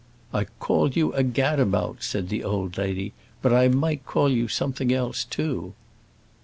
"I called you a gad about," said the old lady. "But I might call you something else, too."